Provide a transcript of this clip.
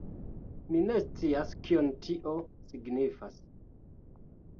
Mi ne scias kion tio signifas...